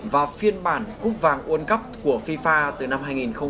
và phiên bản cúp vàng quân cấp của fifa từ năm hai nghìn một mươi sáu